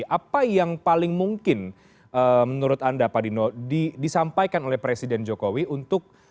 apa yang paling mungkin menurut anda pak dino disampaikan oleh presiden jokowi untuk